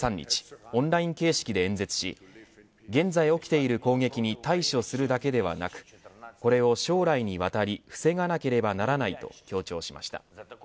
オンライン形式で演説し現在起きている攻撃に対処するだけではなくこれを将来にわたり防がなければならないと強調しました。